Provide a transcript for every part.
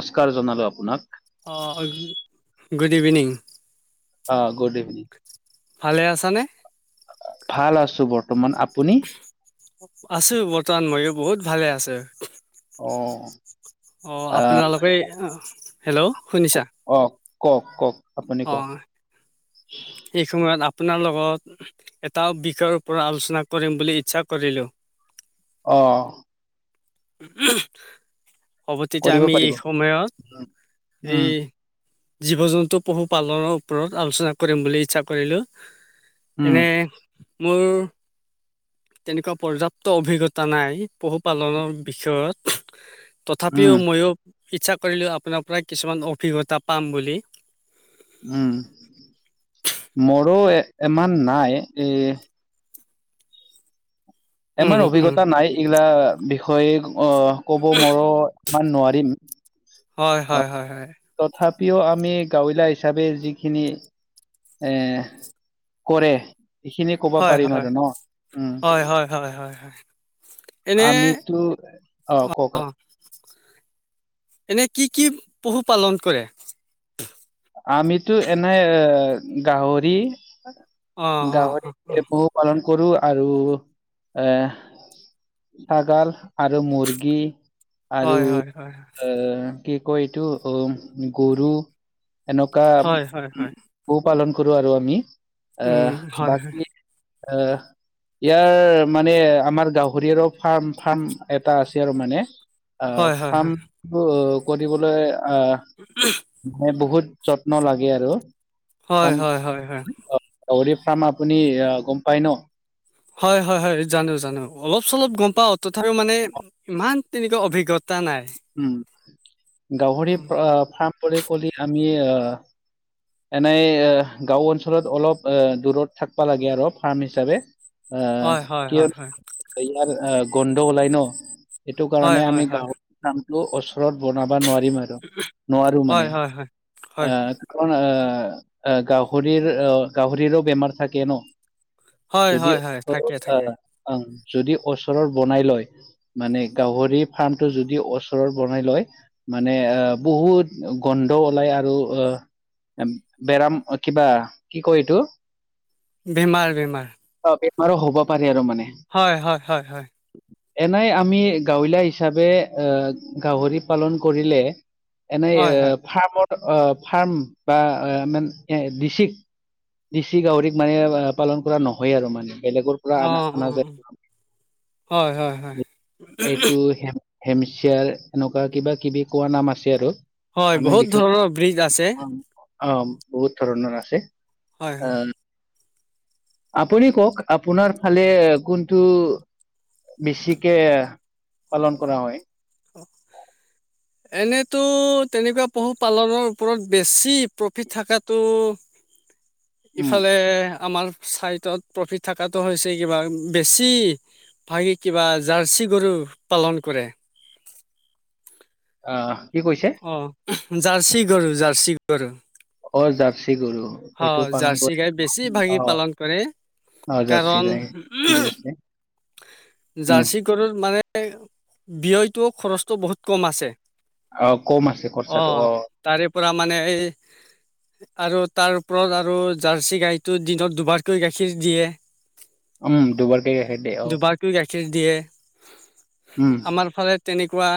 নমস্কাৰ জনালো আপোনাক। অঁ হয় গুড ইভিনিং। অ গুড ইভিনিং। ভালে আছানে? ভাল আছো বৰ্তমান আ আছো বৰ্তমান মইয়ো বহুত ভালে আছো। অঁ। অ আপোনালোকে, হেল্ল' শুনিছা? অ কওক কওক। আপুনি অ কওক এইসময়ত আ আপোনাৰ লগত এটা বিষয়ৰ ওপৰত আলোচনা কৰিম বুলি ইচ্ছা কৰিলোঁ। অঁ। [unintelligible] হ'ব তেতিয়া কৰিব আমি পাৰিব এই সময়ত এই উম জীৱ-জন্তু পশু পালনৰ ওপৰত আলোচনা কৰিম বুলি ইচ্ছা কৰিলোঁ। উম এনে মোৰ তেনেকুৱা পৰ্যাপ্ত অভিজ্ঞতা নাই। পশু পালনৰ বিষয়ত। উম তথাপিও মইয়ো ইচ্ছা কৰিলো আপোনাৰ পৰা কিছুমান অভিজ্ঞতা পাম বুলি। উম মোৰো ইমান নাই এ উম, ইমান উম। অভিজ্ঞতা নাই এইগিলা বিষয়ে, অ ক'ব মৰো ইমান নোৱাৰিম। হয় অ, হয় হয় হয়। তথাপিও আমি গাৱঁলীয়া হিচাপে যিখিনি এ কৰে সেইখিনি কব হয় পাৰিম হয় আৰু ন উম। হয় হয় হয় হয় হয় এনে আমিতো অ কওক এনে কি কি পশু পালন কৰে? আমিতো এনে এ গাহৰি অ অ গাহৰি অ এ পশু পালন। কৰো আৰু এ ছাগাল আৰু মুৰ্গী, আৰু হয় হয় হয় এ কি কয় এইটো অ গৰু এনেকুৱা হয় হয় হয় পশু পালন কৰো আৰু আমি এ উম হয় বাকী আহ ইয়াৰ মানে আমাৰ গাহৰিৰো ফাৰ্ম ফাৰ্ম এটা আছে আৰু মানে। আ হয় হয় হয় ফাৰ্মটো কৰিবলৈ আহ [unintelligible] মানে বহুত যত্ন লাগে আৰু হয় ফাৰ্ম হয় হয় হয়। গাহৰি ফাৰ্ম আপুনি এয়া গম পাই ন? হয় হয় হয় জানো জানো অলপ চলপ গম পাওঁ তথাপিও মানে ইমান তেনেকুৱা অভিজ্ঞ তা নাই। উম, গাহৰি উম, ফাৰ্ম বুলি কলে আমি আহ এনেই গাওঁ অঞ্চলত অলপ দূৰত থাকবা লাগে আৰু ফাৰ্ম হিচাপে। আহ হয় হয় কিয় হয় হয় আহ গন্ধ ওলাই ন। সেইটো হয় কাৰণে হয় আমি হয় গাঁৱৰ ফাৰ্মটো ওচৰত বনা বা নোৱাৰিম আৰু নোৱাৰো হয় মানে হয় হয় এ গাহৰিৰ গাহৰিৰো বেমাৰ থাকে ন। হয় হয় যদি হয় হয় থাকে থাকে আহ আহ। যদি অচৰত বনাই লয় মানে গাহৰি ফাৰ্মটো যদি অচৰত বনাই লয়। মানে আহ বহুত গন্ধ অলাই আৰু অ বেৰাম কিবা কি কয় এইটো? বেমাৰ বেমাৰ। অ বেমাৰো হ'ব পাৰে আৰু মানে। হয় হয় হয় হয়। এনাই আমি গাঁৱলীয়া হিচাপে এ গাহৰি পালন কৰিলে। এনেই এ হয় হয় ফাৰ্মৰ অ ফাৰ্ম বা মান ডিচিক নিচি গাহৰিক মানে পালন কৰা নহয় আৰু মানে। বেলেগৰ পৰা অ আনা অ আনা হয় হয় যায়। হয় এইটো হেমচিয়াৰ এনেকুৱা কিবা কিবি কোৱা নাম আছে আৰু। হয় আমি বহুত ধৰণৰ ব্ৰীজ বিশেষ আছে অ অ বহুত ধৰণৰ আছে। হয় হয়। আহ আপুনি কওক আপোনাৰ ফালে কোনটো বেছিকে পালন কৰা হয়? অ। এনেতো তেনেকুৱা পশুপালনৰ ওপৰত বেছি প্ৰফিট থাকাটো উম ইফালে আমাৰ চাইটত প্ৰফিট থাকাটো হৈছে কিবা বেছি ভাগি কিবা জাৰ্চি গৰু পালন কৰে। অহ। অ। জাৰ্চি গৰু জাৰ্চি গৰু। অ জাৰ্চি গৰু হ এইটো পালন জাৰ্চি কৰি গাই বেছি ভাগি অ পালন কৰে। অ জাৰ্চি কাৰণ গাই ঠিকে আছে উম জাৰ্চি গৰুৰ মানে ব্যয়টো খৰচটো বহুত কম আছে। অ কম আছে খৰচাটো অহ অ তাৰে পৰা মানে এই আৰু তাৰ ওপৰত আৰু জাৰ্চি গাইটো দিনত দুবাৰকৈ গাখীৰ দিয়ে। উম দুবাৰকে গাখীৰ দিয়ে। অহ। দুবাৰকৈ গাখীৰ দিয়ে। আমাৰ ফালে তেনেকুৱা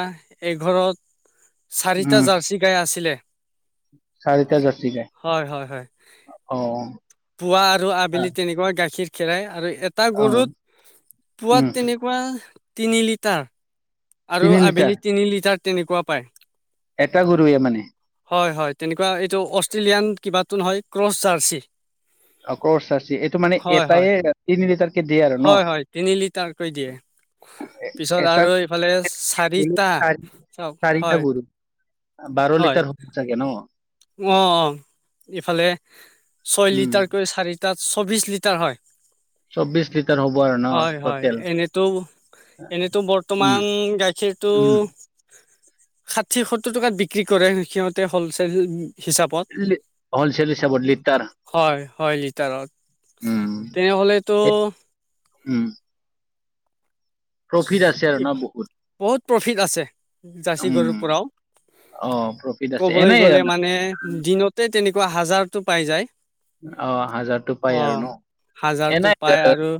এঘৰত চাৰিটা উম জাৰ্চি গাই আছিলে। চাৰিটা জাৰ্চি গাই হয় হয় হয়। অ পুৱা আৰু আবেলি আ- তেনেকুৱা গাখীৰ খেৰাই আৰু এটা অ গৰুত পোৱাত উম তেনেকুৱা তিনি লিটাৰ আৰু তিনি লিটাৰ আবেলি তিনি লিটাৰ তেনেকুৱা পায়। এটা গৰুৱে মানে? হয় হয় তেনেকুৱা এইটো অষ্ট্ৰেলিয়ান কিবাটো নহয় ক্ৰছ জাৰ্চি। অ কৰ্চ চাচি এইটো মানে হয় এটাই হয় তিনি লিটাৰকে দিয়ে আৰু ন হয় হয়। তিনি লিটাৰকৈ দিয়ে। পিছত এটা আৰু এইফালে চাৰিটা চাৰি চব চাৰিটা হয়। গৰু বাৰ হয় লিটাৰ হব চাগে ন? অ অ। ইফালে ছয় উম লিটাৰকৈ চাৰি তাত চৌবিশ লিটাৰ হয়। চৌবিশ লিটাৰ হ'ব আৰু ন হয় হয় টটেল এনেতো এনেতো উম বৰ্তমান গা খীৰটো উম ষাঠি, সত্তৰ টকাত বিক্ৰী কৰে সিহতে হলচেল হিচাপত। হলচেল হিচাপত লিটাৰ হয় হয় লিটাৰত। উম তেওঁ হ'লে তো এ- উম। প্ৰফিট আছে আৰু ন বহুত বহুত প্ৰফিট আছে জাৰ্চী গৰুৰ উম পৰাও। অ প্ৰফিট আছে ক'বলৈ এনেই গ'লে মানে দিনতে তেনেকুৱা হাজাৰটো পাই যায়। অ হাজাৰ টো পাই আৰু অ'। ন। হাজাৰটো এনে পায় আৰু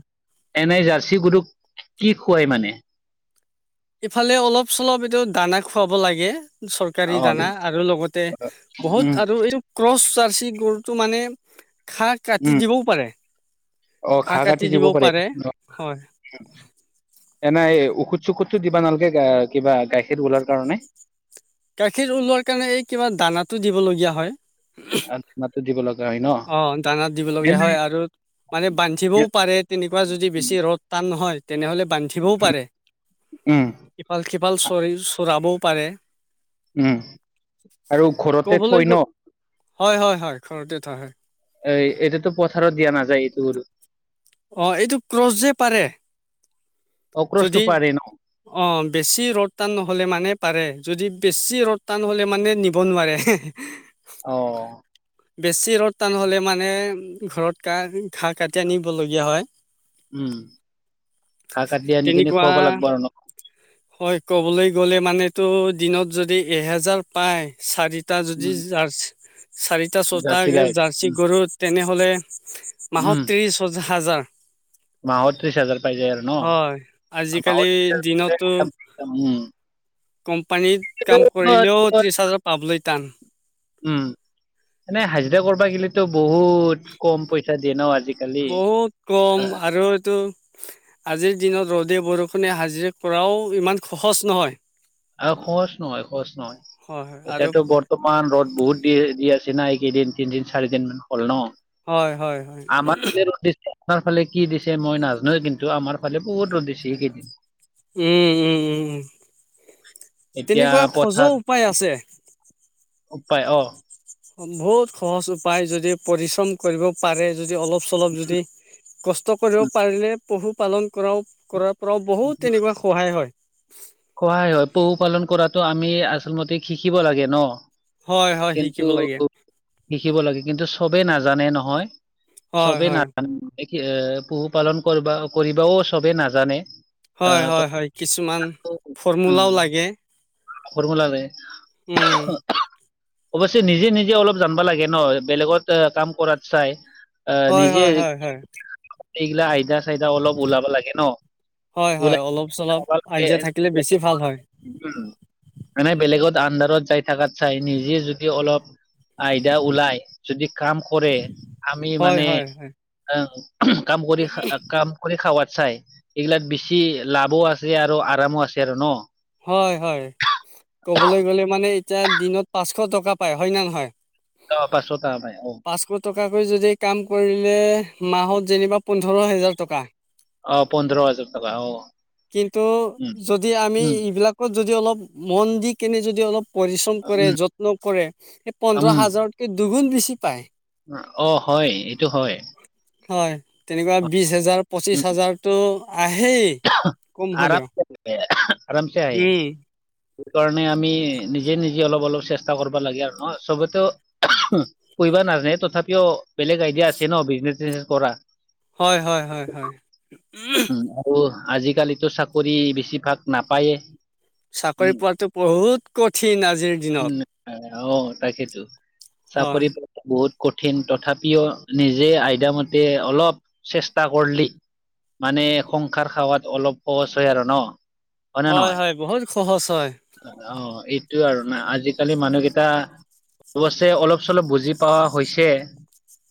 এনেই জাৰ্চি গৰুক কি খুৱাই মানে? ইফালে অলপ-চলপ এইটো দানা খুৱাব লাগে। চৰকাৰী অ দানা, আৰু লগতে উম বহুত আৰু এইটো ক্ৰচ চি গৰুটো মানে ঘাঁহ কাটি উম দিবও পাৰে। অ' ঘাঁ কাটি দিব পাৰে, হয় এনে ওখুত-চুখুতটো দিবা নালাগে কিবা গাখীৰ ওলোৱা কাৰণে। গাখীৰ ওলোৱাৰ কাৰণে এই কিবা দানা দিব লগীয়া হয়। আ না দিব লাগা অ' দানা দিব লগীয়া হয় আৰু মানে বান্ধিবও পাৰে তেনেকুৱা যদি উম বেছি ৰ'দ টান নহয়। তেনেহ'লে বান্ধিবও পাৰে, উম ইফাল-সিফাল চৰি চৰাবও পাৰে। উম' আৰু ঘৰতে ক'বলৈ থৈ গ ন। হয় হয় হয় ঘৰতে থোৱা হয়। এই এইটোতো পথাৰত দিয়া নাযায়, এইবোৰ অ' এইটো ক্ৰচ যে পাৰে। অক্ৰচটো যদি, পাৰে ন অ' বেছি ৰ'দ টান নহ'লে মানে পাৰে, যদি বেছি ৰ'দ টান হ'লে মানে নিব নোৱাৰে। অ' বেছি ৰ'দ টান হ'লে মানে ঘৰত কা ঘাঁহ কাটি আনিবলগীয়া হয়। উম' ঘাঁহ কাটি আনি কিনি তেনেকুৱা খুৱাব লাগিব আৰু হয় ক'বলৈ গ'লে মানেতো দিনত যদি এহেজাৰ পায় চাৰি টা, যদি উম জাৰ্চ চাৰিটা ছটা জাৰ্চি গাই জাৰ্চি উম গৰু তেনেহ'লে মাহত উম ত্ৰিশ হাজাৰ মাহত ত্ৰিছ হাজাৰ পাইযাই আৰু ন? হয়। আজিকালি মাহত দিনতো ত্ৰিছ [unintelligible] উম' কোম্পানীত কাম কৰিলেও ত্ৰিশ হাজাৰ পাবলৈ টান। উম' এনে হাজিৰা কৰবা গিলেতো বহুত কম পইচা দিয়ে ন আজিকালি। বহুত কম আৰু এইটো আজিৰ দিনত ৰ'দে-বৰষুণে হাজিৰা কৰাও ইমান সহজ নহয়। আৰু সহজ নহয় সহজ নহয়, হয় হয় আৰু এতিয়াতো বৰ্তমান ৰ'দ বহুত দি দি আছে। যি এইকেইদিন তিনদিন, চাৰি দিন মান হ'ল ন, হয় হয় হয় আমাৰফালে ৰ'দ দিছিলে তাৰ ফালে কি দিছে মই নাজানোৱে কিন্তু, আমাৰ ফালে বহুত ৰ'দ দিছে এইকেইদিন। উম উম উম উ' এতিয়া তেনেকুৱা সজ উপায় আছে। উপাই অ' বহুত সহজ উপায় যদি পৰিশ্ৰম কৰিব পাৰে, যদি অলপ-চলপ যদি কষ্ট উম, কৰিব পাৰিলে পশুপালন কৰাও কৰাৰ পৰাও বহুত তেনেকুৱা সহায় হয়। তো' আমি আচল মতে শিকিব লাগে ন। হয় হয় কিন্তু, শিকিব লাগে শিকিব লাগে কিন্তু চবে নাজানে নহয়। হয় চবে হয় নাজানে, এ পহুপালন কৰিব কৰিবাও চবে নাজানে। হয় আহ ত হয় হয়, কিছুমান ফৰ্মৰ্মুলাও লাগে। ফৰ্মু লে উম অৱশ্যে নিজে নিজে অলপ জানবা লাগে ন, বেলেগত কাম কৰাত চাই। আহ হয় নিজে হয় হয় হয়। এইগিলা আইদা-চাইদা অলপ ওলাব লাগে ন? হয় হয়, ওলাই অলপ-চলপ খাব লাগে আইদিয়া থাকিলে বেছি ভাল হয়। উম, মানে বেলেগত আডাৰত যাই থাকাত চাই, নিজে যদি অলপ আইদা ওলাই যদি কাম কৰে, আমি হয় মানে হয় হয় উ কাম কৰি, কাম কৰি খাৱাত চাই, এইগিলাত বেছি লাভো আছে আৰু আৰামো আছে আৰু ন। হয় হয় ক'বলৈ গ'লে মানে এতিয়া, দিনত পাঁচশ টকা পায় হয় নে নহয়? ত পাছোত আমাই অ অই যদি কাম কৰিলে মাহত যেনিবা পোন্ধৰ হেজাৰ টকা অ পোন্ধৰ হাজাৰ টকা অ কিন্তু উম যদি আমি উম এবিলিলাকত যদি অলপ মন দি কেনে যদি অলপ পৰিশ্ৰম কৰে উম যত্ন কৰে সি পোন্ধৰ উম হাজাৰকে দুগুণ বেছি পায় অ হয় এইটো হয় হয় তেনেকুৱা হয় বিশ হেজাৰ পঁচিশ উম, হেজাৰতটো আহে। হেই কম হ'লেও আৰামছে আহে আৰামছে আহে উম সেইকাৰণে আমি নিজে নিজে অলপ অলপ চেষ্টা কৰিবা লাগে আৰু ন চবতো কা কৰিব নাজানে তথাপিও বেলেগ আইডিয়া আছে ন বিজনেচ চিজনেছ কৰা হয় হয় হয় হয় উ আৰু আজিকালিতো চাকৰি বেছিভাগ নাপায়ে। চাকৰি উম, পোৱাতটো বহুত কঠিন আজিৰ দিনত উম, আহ, অ তাকেইেতো হয় চাকৰি বহুত কঠিন তথাপিও নিজে আইডিয়ামতে অলপ চেষ্টা কৰলি। মানে সংসাৰ খাৱাত অলপ সহজ হয় আৰু ন হয়নে ন হয় হয় বহুত সহজ হয় অ এইটো আৰু নাই আজিকালি মানুহকেইটা অৱশ্যে অলপ চলপ বুজি পোৱা হৈছে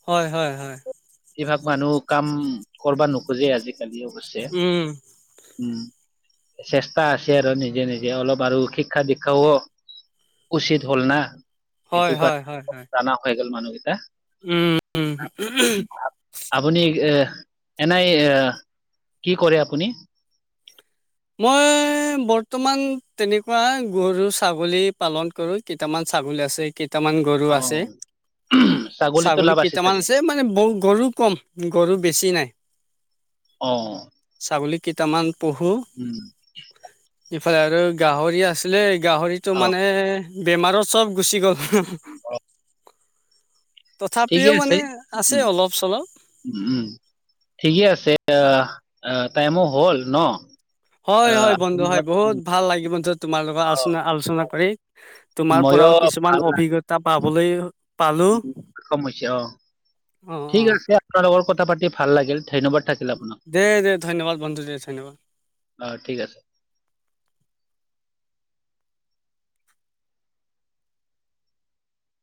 হয় হয় হয় এইভাগ মানুহ কাম কৰা নোখোজে আজিকালি অৱশ্যে উম উম চেষ্টা আছে আৰু নিজে নিজে অলপ আৰু শিক্ষা দীক্ষা ও অ উচিত হ'ল না হয় এইটো হয় হয় কাৰণে হয় জানা হৈ গ'ল মানুহ উম আপুনি এ এনেই এ কি কৰে আপুনি? মই এ বৰ্তমান তেনেকুৱা গৰু ছাগলী পালন কৰো কেইটামান ছাগলী আছে। কেইটামান গৰু অ আছে। ছাগলীতো ছাগলী লাভ কেইটামান চাগে আছে মানে বহ গৰু কম গৰু বেছি নাই। অ ছাগলী কেইটামান পহু উম। ইফালে আৰু গাহৰি আছিলে গাহৰিতটো অ মানে বেমাৰত চব গুচি গ'ল। অ [unintelligible] ঠিকে তথাপিও আছে মানে উ উ আছে অলপ চলপ উম ঠিকে আছে আ টাইমো হ'ল ন হয় আহ হয় বন্ধু আপুনি হয় বা- বহুত অ, ভাল লাগে বন্ধু তোমাৰ লগত আলোচনা আলোচনা অ, কৰি তোমাৰ প পৰাও ময়ো কিছুমান অভিজ্ঞতা পাবলৈ পালো উ সমস্যা অ অ অ ঠিক আছে আপোনাৰ লগৰ কথা পাতি ভাল লাগিল। ধন্যবাদ থাকিল আপোনাক দে দে ধন্যবাদ বন্ধু দে ধন্যবাদ। অ ঠিক আছে [inaudible]